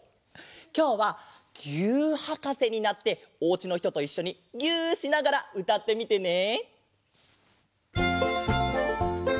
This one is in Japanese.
きょうは「ぎゅーっはかせ」になっておうちのひとといっしょにぎゅしながらうたってみてね！